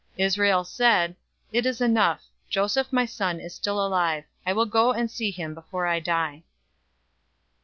045:028 Israel said, "It is enough. Joseph my son is still alive. I will go and see him before I die."